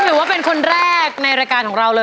เราเห็นว่าเป็นคนแรกในรากาศ